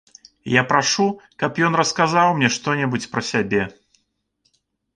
Я прашу, каб ён расказаў мне што-небудзь пра сябе.